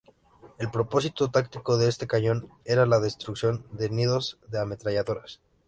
El propósito táctico de este cañón era la destrucción de nidos de ametralladoras.